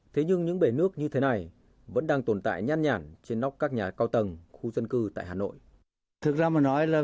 thế nhưng những bể nước như thế này vẫn đang tồn tại nhan nhản trên nóc các nhà cao tầng khu dân cư tại hà nội